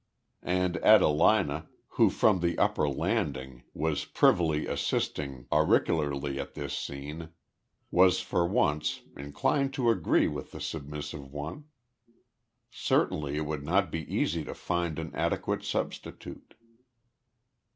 And Adelina, who from the upper landing was privily assisting auricularly at this scene, was for once, inclined to agree with the submissive one. Certainly it would not be easy to find an adequate substitute.